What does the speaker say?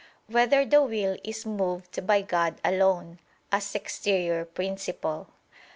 6] Whether the Will Is Moved by God Alone, As Exterior Principle?